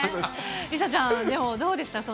梨紗ちゃん、でもどうでした？